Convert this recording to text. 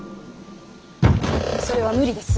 それは無理です。